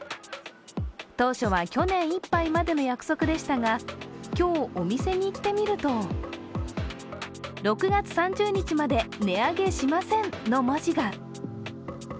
当初は去年いっぱいまでの約束でしたが今日、お店に行ってみると、６月３０日まで値上げしませんの文字が。